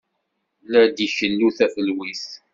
La d-ikellu tafelwit.